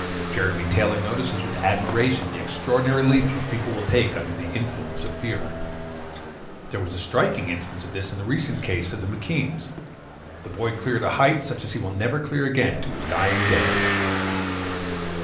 Jeremy Taylor notices with admiration, the extraordinary leaps which people will take under the influence of fear. There was a striking instance of this in the recent case of the M'Keands; the boy cleared a height, such as he will never clear again to his dying day.